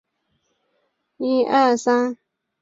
石山棕为棕榈科石山棕属下的一个种。